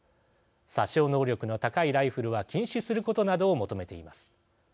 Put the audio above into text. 殺傷能力の高いライフルは禁止することなどを求めています。